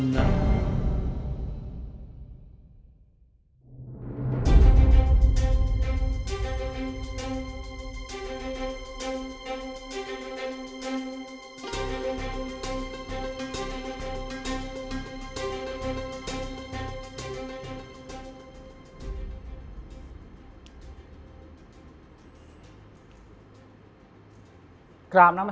ประอาณาอาจารย์